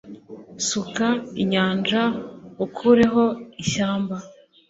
Suka inyanja ukureho ishyamba